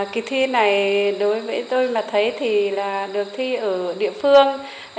kỳ thi này đối với tôi mà thấy thì là được thi ở địa phương